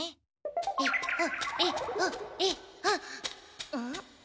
えっほえっほえっほん？